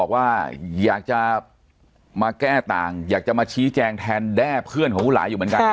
ว่าอยากจะมาแก้ต่างอยากจะมาชี้แจงแทนแด้เพื่อนของคุณหลายอยู่เหมือนกัน